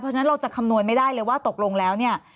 เพราะฉะนั้นเราจะคำนวณไม่ได้เลยว่าตกลงแล้วเนี่ย